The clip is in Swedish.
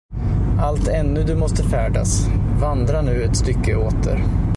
Allt ännu du måste färdas, Vandra nu ett stycke åter.